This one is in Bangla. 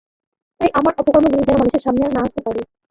তাই আমার অপকর্ম গুলি যেনো মানুষের সামনে না আসতে পারে।